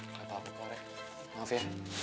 gak apa apa kok re maaf ya